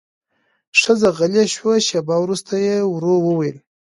ښځه غلې شوه، شېبه وروسته يې ورو وويل: